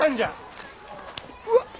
うわっ！